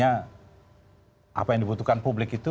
apa yang dibutuhkan publik itu